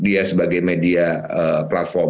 dia sebagai media platform